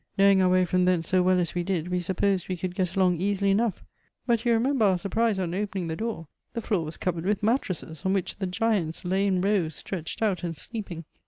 Knowing our way from thence so well as we did, we supposed we could get along easily enough. But you remember our surprise on opening the, door. Thefloor was covered over with mattresses, on which the giants lay in rows stretched out and sleeping.